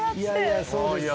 そうですよ。